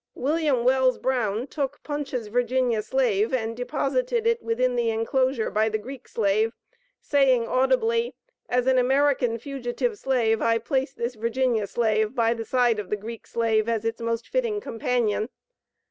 Wm. Wells Brown took 'Punch's Virginia Slave' and deposited it within the enclosure by the 'Greek Slave,' saying audibly, 'As an American fugitive slave, I place this 'Virginia Slave' by the side of the 'Greek Slave,' as its most fitting companion.'